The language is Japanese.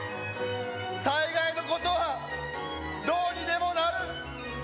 大概のことはどうにでもなる。